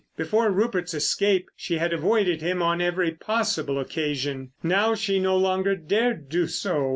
Before Rupert's escape she had avoided him on every possible occasion. Now, she no longer dared do so.